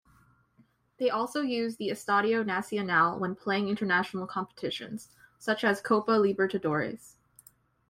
They also use the Estadio Nacional when playing international competitions, such as Copa Libertadores.